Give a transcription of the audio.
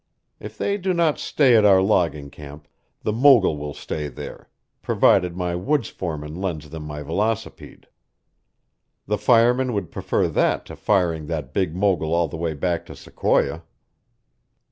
If they do not stay at our logging camp, the mogul will stay there, provided my woods foreman lends them my velocipede. The fireman would prefer that to firing that big mogul all the way back to Sequoia."